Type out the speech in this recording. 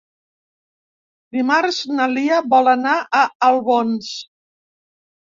Dimarts na Lia vol anar a Albons.